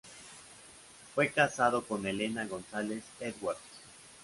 Fue casado con "Elena González Edwards".